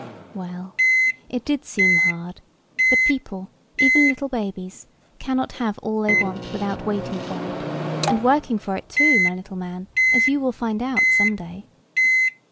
Well, it did seem hard: but people, even little babies, cannot have all they want without waiting for it, and working for it too, my little man, as you will find out some day.